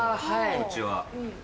こっちは。